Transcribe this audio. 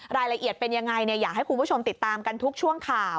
รายละเอียดเป็นยังไงอยากให้คุณผู้ชมติดตามกันทุกช่วงข่าว